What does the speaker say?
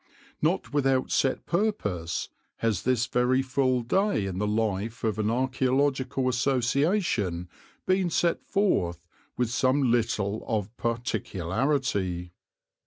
Not without set purpose has this very full day in the life of an archæological association been set forth with some little of particularity.